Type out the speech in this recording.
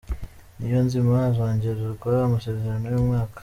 Niyonzima azongererwa amasezerano y’umwaka